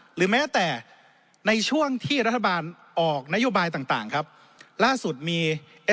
หรือแม้แต่ในช่วงที่รัฐบาลออกนโยบายต่างต่างครับล่าสุดมีเอ๊